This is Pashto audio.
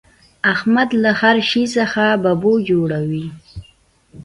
احمد له هر شي څخه ببو جوړوي.